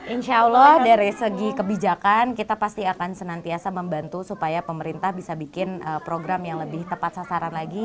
insya allah dari segi kebijakan kita pasti akan senantiasa membantu supaya pemerintah bisa bikin program yang lebih tepat sasaran lagi